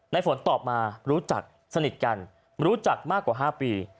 ฝนตอบมารู้จักสนิทกันรู้จักมากกว่า๕ปี